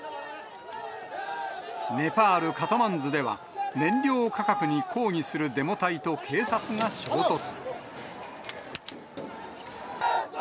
ネパール・カトマンズでは、燃料価格に抗議するデモ隊と警察が衝突。